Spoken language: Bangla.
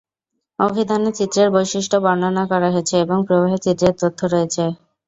অভিধানে চিত্রের বৈশিষ্ট্য বর্ণনা করা হয়েছে, এবং প্রবাহে চিত্রের তথ্য রয়েছে।